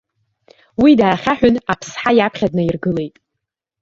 Уи даахьаҳәын аԥсҳа иаԥхьа днаиргылеит.